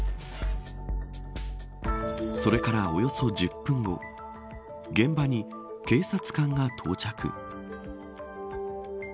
それからおよそ１０分後現場に警察官が到着。